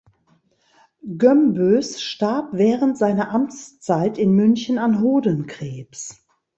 Gömbös starb während seiner Amtszeit in München an Hodenkrebs.